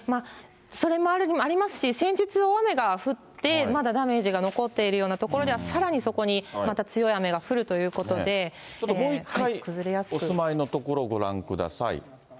それもありますし、先日、大雨が降って、まだダメージが残っているような所ではさらにそこにまた強い雨がちょっともう一回、お住まいの所ご覧ください。